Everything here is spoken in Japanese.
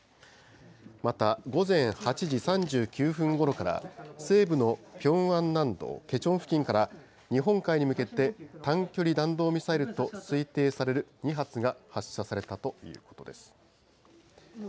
また、午前８時３９分ごろから、西部のピョンアン南道ケチョン付近から、日本海に向けて、短距離弾道ミサイルと推定される２発が発射されたということです。